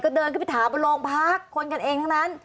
ก็เดินขึ้นไปถามบนโรงพักคนกันเองทั้งนั้น